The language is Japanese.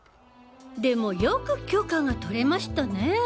でもよく許可が取れましたね。